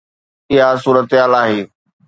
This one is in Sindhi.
اها صورتحال آهي.